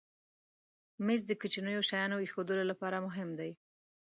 مېز د کوچنیو شیانو ایښودلو لپاره مهم دی.